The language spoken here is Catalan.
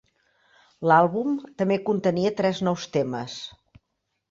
L'àlbum també contenia tres nous temes.